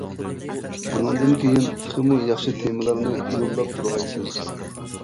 بۇنىڭدىن كېيىن تېخىمۇ ياخشى تېمىلارنى يولاپ تۇرغايسىز!